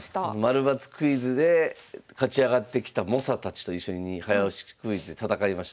○×クイズで勝ち上がってきた猛者たちと一緒に早押しクイズで戦いました。